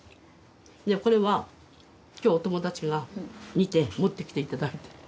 これは今日お友達が煮て持ってきていただいた。